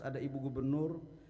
ada ibu gubernur